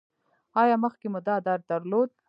ایا مخکې مو دا درد درلود؟